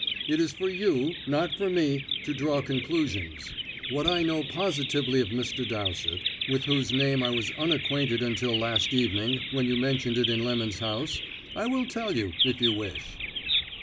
It is for you, not for me, to draw conclusions. What I know positively of Mr. Dowsett with whose name I was unacquainted until last evening, when you mentioned it in Lemon's house I will tell you, if you wish."